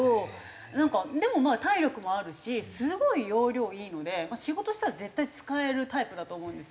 なんかでもまあ体力もあるしすごい要領いいので仕事したら絶対使えるタイプだと思うんですよ。